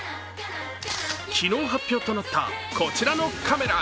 昨日発表となったこちらのカメラ。